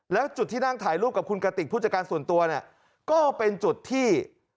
แล้วจุดที่นั่งถ่ายรูปกับคุณกติกผู้จัดการส่วนตัวเนี่ยก็เป็นจุดที่